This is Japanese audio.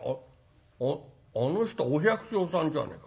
あっあの人はお百姓さんじゃねえか。